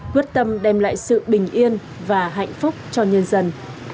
quyết tâm đem lại sự bình yên và hạnh phúc cho nhân dân